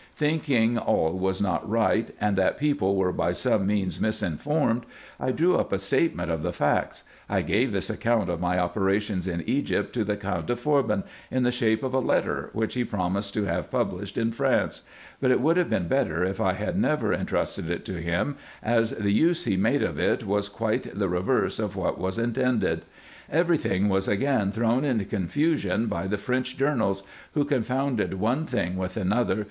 Thinking all was not right, and that people were by some means misinformed, I drew up a statement of the facts. I gave this account of my operations in Egypt to the Count de Forbin in the shape of a letter, which he promised to have pub lished in France ; but it would have been better, if I had never en trusted it to him, as the use he made of it was quite the reverse of what was intended. Every thing was again thrown into confusion by the French journals, who confounded one thing with another?